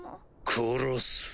殺す！